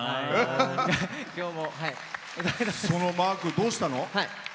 そのマーク、どうしたの。